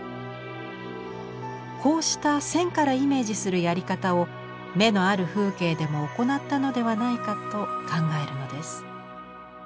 こうした線からイメージするやり方を「眼のある風景」でも行ったのではないかと考えるのです。